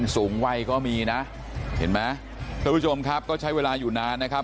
สูงวัยก็มีนะเห็นไหมท่านผู้ชมครับก็ใช้เวลาอยู่นานนะครับ